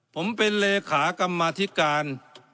ผมเป็นเลขากรรมาธิการ